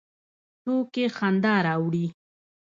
ټوکې خندا راوړي